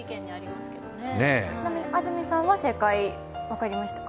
安住さんは正解、分かりましたか？